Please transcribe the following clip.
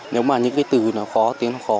nếu mà những cái từ nó khó tiếng nó khó